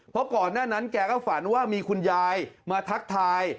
เพราะก่อนหน้านั้นแกก็ฝันว่ามีคุณยายมาทักทาย